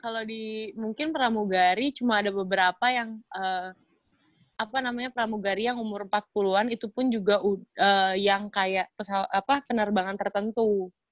kalau di mungkin pramugari cuma ada beberapa yang pramugari yang umur empat puluh an itu pun juga yang kayak penerbangan tertentu